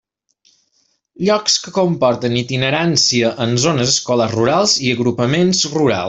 Llocs que comporten itinerància en zones escolars rurals i agrupaments rurals.